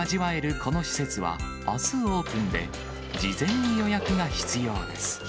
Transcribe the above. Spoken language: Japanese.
この施設は、あすオープンで、事前に予約が必要です。